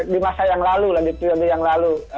di masa yang lalu di teori yang lalu